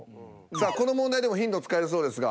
さあこの問題でもヒント使えるそうですが。